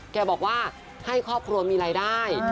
แกบอกว่าให้ครอบครัวมีรายได้